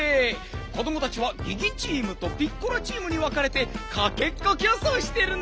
子どもたちはギギチームとピッコラチームにわかれてかっけっこきょうそうしてるのねん！